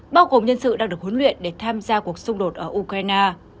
bao gồm nhân sự đang được huấn luyện để tham gia cuộc xung đột ở ukraine